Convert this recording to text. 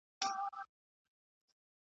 د دښمن کره ځم دوست مي ګرو دی `